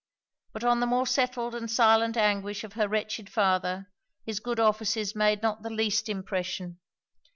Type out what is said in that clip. But on the more settled and silent anguish of her wretched father, his good offices made not the least impression.